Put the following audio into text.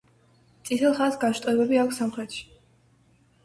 წითელ ხაზს განშტოებები აქვს სამხრეთში.